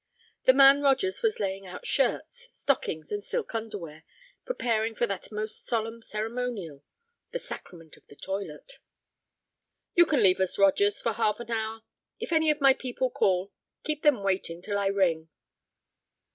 The man Rogers was laying out shirts, stockings, and silk underwear—preparing for that most solemn ceremonial, the sacrament of the toilet. "You can leave us, Rogers, for half an hour. If any of my people call, keep them waiting till I ring."